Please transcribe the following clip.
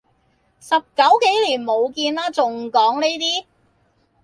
十九幾年冇見啦，仲講依啲